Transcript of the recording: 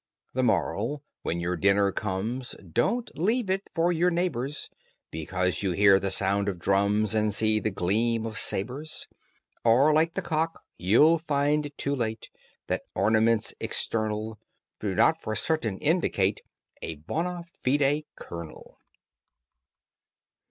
THE MORAL: When your dinner comes Don't leave it for your neighbors, Because you hear the sound of drums And see the gleam of sabres; Or, like the cock, you'll find too late That ornaments external Do not for certain indicate A bona fide kernel.